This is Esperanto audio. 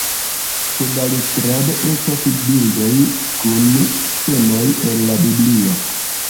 Ĉebalustrade estas bildoj kun scenoj el la Biblio.